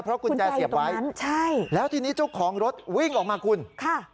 เพราะกุญแจเสียบไว้ใช่แล้วทีนี้เจ้าของรถวิ่งออกมาคุณค่ะ